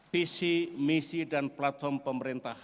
visi misi dan platform pemerintah